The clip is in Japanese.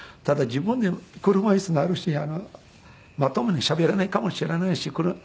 ただ自分で車椅子になるしまともにしゃべれないかもしれないし。